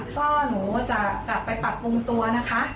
ก็หนูจะกลับไปปรับปรุงตัวนะคะ